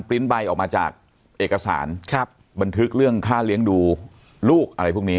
ริ้นต์ใบออกมาจากเอกสารครับบันทึกเรื่องค่าเลี้ยงดูลูกอะไรพวกนี้